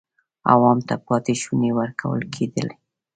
عوام ته پاتې شوني ورکول کېدل.